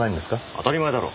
当たり前だろ。